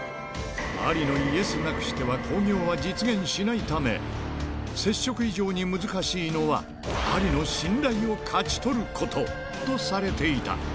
アリのイエスなくしては興行は実現しないため、接触以上に難しいのは、アリの信頼を勝ち取ることとされていた。